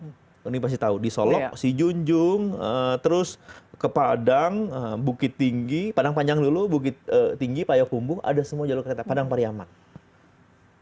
ini pasti tahu di solok si junjung terus ke padang bukit tinggi padang panjang dulu bukit tinggi payakumbung ada semua jalur kereta padang pariyaman